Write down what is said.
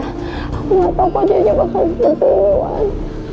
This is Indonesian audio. aku gak tahu apa jadinya bahkan buntung wan